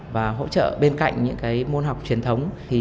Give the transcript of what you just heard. và hỗ trợ bên cạnh những môn học truyền thống